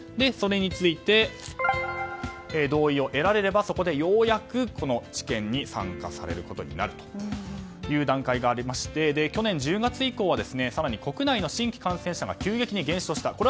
それについて同意を得られればそこでようやく治験に参加されることになるという段階があり去年１０月以降は更に国内の新規感染者が急激に減少した。